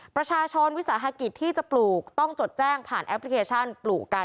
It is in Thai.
ประชาชนวิสาหกิจที่จะปลูกต้องจดแจ้งผ่านแอปพลิเคชันปลูกกัน